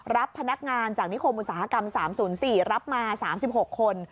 รับพนักงานจากนิคมอุตสาหกรรม๓๐๔รับมา๓๖คน